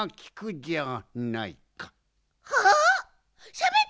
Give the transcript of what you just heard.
しゃべった！